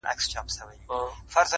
د نيمي شپې د خاموشۍ د فضا واړه ستـوري؛